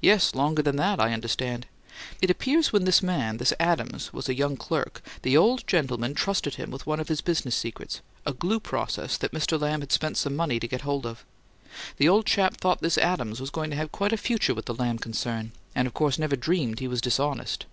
"Yes, longer than that, I understand. It appears when this man this Adams was a young clerk, the old gentleman trusted him with one of his business secrets, a glue process that Mr. Lamb had spent some money to get hold of. The old chap thought this Adams was going to have quite a future with the Lamb concern, and of course never dreamed he was dishonest.